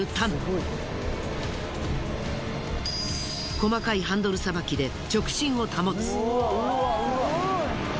細かいハンドルさばきで直進を保つ。